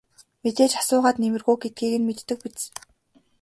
Мэдээж асуугаад нэмэргүй гэдгийг нь мэддэг биз.